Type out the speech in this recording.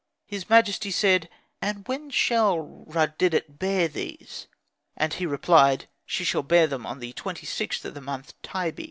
His majesty said, "And when shall Rud didet bear these?" And he replied, "She shall bear them on the 26th of the month Tybi."